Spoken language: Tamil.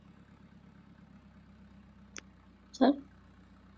அன்பினைக் கெடுத்து உறவினை அகற்றும் வன்சொல் தவிர்த்திடுக.